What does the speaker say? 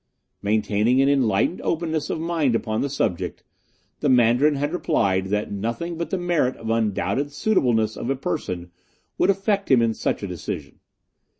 Maintaining an enlightened openness of mind upon the subject, the Mandarin had replied that nothing but the merit of undoubted suitableness of a person would affect him in such a decision.